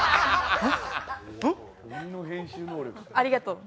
ありがとう。